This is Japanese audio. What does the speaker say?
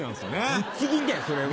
ぶっちぎりだよそれは。